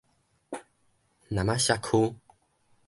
那瑪夏區